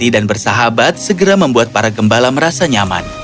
dan bersahabat segera membuat para gembala merasa nyaman